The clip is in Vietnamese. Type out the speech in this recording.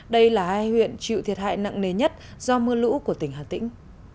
đây là hai huyện chịu thiệt hại nặng nề nhất do mưa lũ của tỉnh hà tĩnh